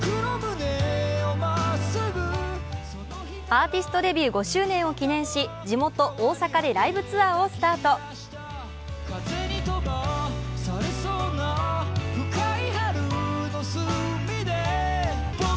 アーティストデビュー５周年を記念し地元・大阪でライブツアーを開催。